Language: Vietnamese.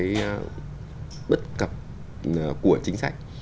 một cái bất cập của chính sách